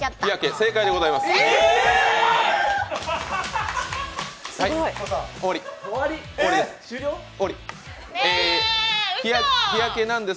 正解でございます。